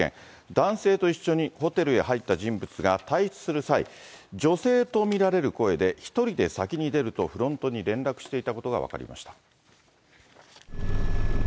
男性と一緒にホテルへ入った人物が退室する際、女性と見られる声で、１人で先に出ると、フロントに連絡していたことが分かりました。